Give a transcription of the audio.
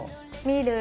見る？